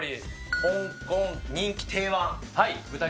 香港人気定番！